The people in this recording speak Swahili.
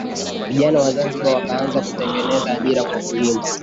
Vijana wa zanzibar wakaanza kutengeneza ajira kwa kuimba